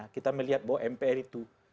kita melihat bahwa mpr itu